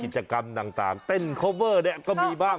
กิจกรรมต่างเต้นคอเวอร์เนี่ยก็มีบ้าง